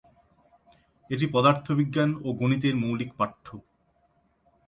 এটি পদার্থবিজ্ঞান ও গণিতের মৌলিক পাঠ্য।